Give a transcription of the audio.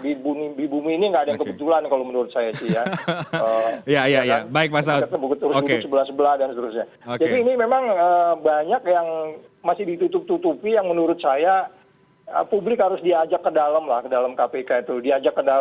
di bumi ini nggak ada yang kebetulan kalau menurut saya sih ya